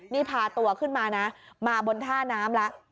นี่พาตัวขึ้นมานะมาบนท่าน้ำแล้ว